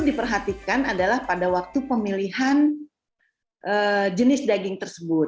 diperhatikan adalah pada waktu pemilihan jenis daging tersebut